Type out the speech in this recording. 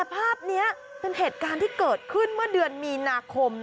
ภาพนี้เป็นเหตุการณ์ที่เกิดขึ้นเมื่อเดือนมีนาคม